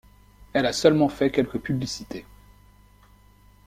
Elle a seulement fait quelques publicités.